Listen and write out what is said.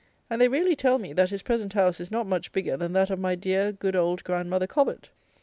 And they really tell me, that his present house is not much bigger than that of my dear, good old grandmother Cobbett.